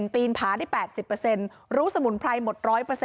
ปีนผาได้๘๐รู้สมุนไพรหมด๑๐๐